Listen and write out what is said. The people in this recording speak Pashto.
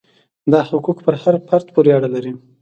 دا حقوق پر هر فرد پورې اړه لري.